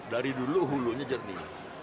dari dulu hulunya jernih